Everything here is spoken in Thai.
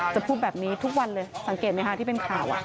พูดแบบนี้ทุกวันเลยสังเกตไหมคะที่เป็นข่าว